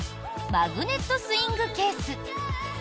マグネットスイングケース。